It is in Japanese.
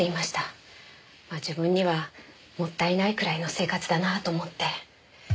自分にはもったいないくらいの生活だなと思って。